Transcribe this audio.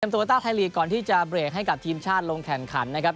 โตโยต้าไทยลีกก่อนที่จะเบรกให้กับทีมชาติลงแข่งขันนะครับ